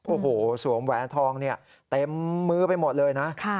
โอ้โหสวมแหวนทองเนี่ยเต็มมือไปหมดเลยนะ